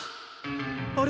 あれ？